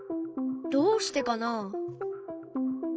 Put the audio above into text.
どうしてかな？